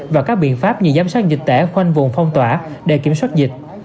và các biện pháp như giám sát dịch tễ khoanh vùng phong tỏa để kiểm soát dịch